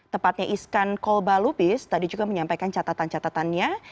tepatnya iskan kolba lubis tadi juga menyampaikan catatan catatannya